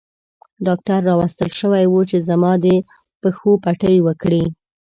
ډاکټر راوستل شوی وو چې زما د پښو پټۍ وکړي.